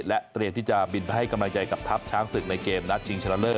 และเตรียมที่จะบินไปให้กำลังใจกับทัพช้างศึกในเกมนัดชิงชนะเลิศ